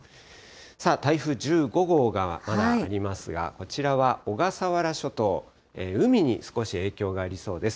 さあ、台風１５号がまだありますが、こちらは小笠原諸島、海に少し影響がありそうです。